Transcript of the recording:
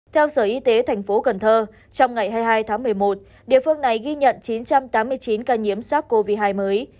theo sở y tế tp cn trong ngày hai mươi hai tháng một mươi một địa phương này ghi nhận chín trăm tám mươi chín ca nhiễm sars cov hai mới